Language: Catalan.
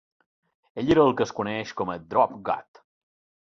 Ella era el que es coneix com a "Drop-Gut".